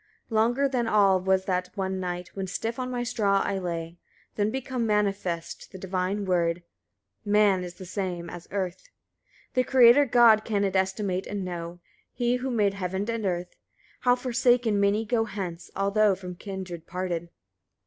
47. Longer than all was that one night, when stiff on my straw I lay; then becomes manifest the divine word: "Man is the same as earth." 48. The Creator God can it estimate and know, (He who made heaven and earth) how forsaken many go hence, although from kindred parted.